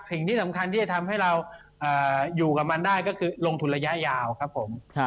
สิ่งที่สำคัญที่จะทำให้เราอยู่กับมันได้ก็คือลงทุนระยะยาวครับผม